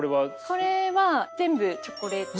これは全部チョコレート。